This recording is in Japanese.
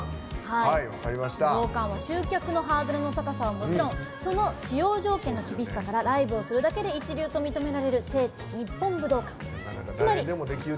集客のハードルの高さはもちろんその使用条件の厳しさからライブをするだけで一流と認められる聖地・日本武道館。